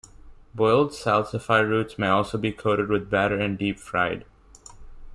Boiled salsify roots may also be coated with batter and deep fried.